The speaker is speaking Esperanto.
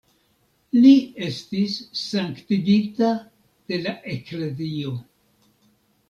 Li estis sanktigita de la eklezio.